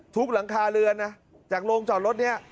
ทุกหลังคาเรือนนะจากโรงจอดรถนี้